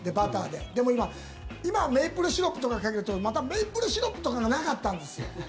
でも今はメープルシロップとかかけるけどまたメープルシロップとかがなかったんですよ。